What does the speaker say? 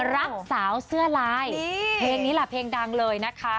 รักสาวเสื้อลายเพลงนี้ล่ะเพลงดังเลยนะคะ